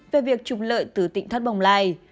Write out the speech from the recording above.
về việc chụp lợi từ tỉnh thất bồng lai